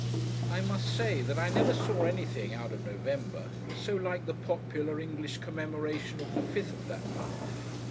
I must say, that I never saw anything, out of November, so like the popular English commemoration of the fifth of that month.